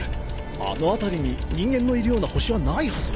あの辺りに人間のいるような星はないはず。